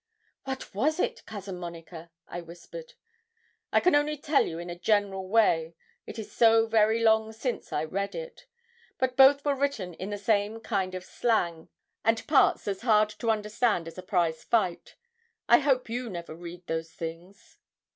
'What was it, Cousin Monica?' I whispered. 'I can only tell you in a general way, it is so very long since I read it; but both were written in the same kind of slang, and parts as hard to understand as a prize fight. I hope you never read those things.'